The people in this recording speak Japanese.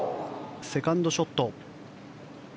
セカンドショット。